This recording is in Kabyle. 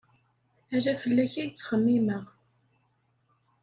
Ala fell-ak ay ttxemmimeɣ.